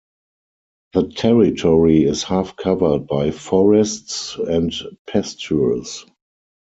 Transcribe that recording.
The territory is half covered by forests and pastures.